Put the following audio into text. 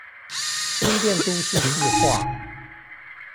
新店都市計畫